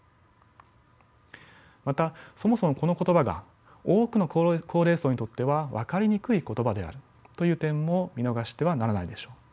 またそもそもこの言葉が多くの高齢層にとっては分かりにくい言葉であるという点も見逃してはならないでしょう。